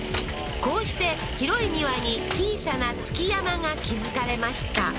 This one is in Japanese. こうして広い庭に小さな築山が築かれました